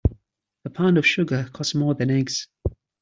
A pound of sugar costs more than eggs.